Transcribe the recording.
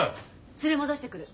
連れ戻してくる。